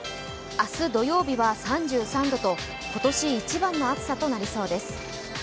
明日、土曜日は３３度と今年一番の暑さとなりそうです。